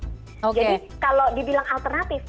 jadi kalau dibilang alternatif